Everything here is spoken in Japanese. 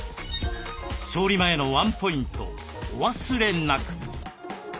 調理前のワンポイントお忘れなく！